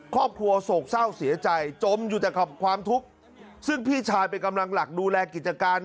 โศกเศร้าเสียใจจมอยู่แต่ความทุกข์ซึ่งพี่ชายเป็นกำลังหลักดูแลกิจการ